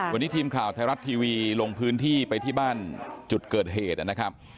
วันนี้ทีมข่าวไทยรัฐทีวีลงพื้นที่ไปที่บ้านจุดเกิดเหตุนะครับ